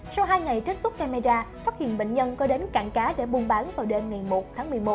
sau hai ngày trích xuất camera phát hiện bệnh nhân có đến cảng cá để buôn bán vào đêm ngày một tháng một mươi một